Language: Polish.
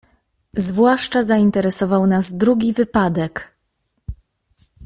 "Zwłaszcza zainteresował nas drugi wypadek."